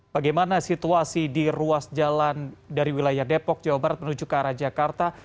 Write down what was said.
bagaimana situasi di ruas jalan dari wilayah depok jawa barat menuju ke arah jakarta